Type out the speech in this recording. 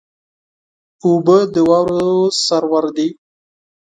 اوبه د واورې سرور دي.